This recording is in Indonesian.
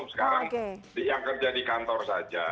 sekarang yang kerja di kantor saja